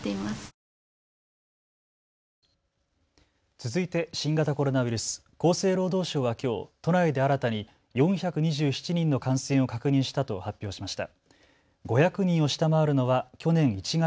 続いて新型コロナウイルス、厚生労働省はきょう都内で新たに４２７人の感染を確認したと発表しました。